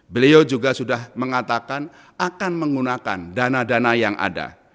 beliau juga sudah mengatakan akan menggunakan dana dana yang ada